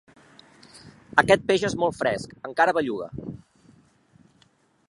Aquell peix és molt fresc: encara belluga.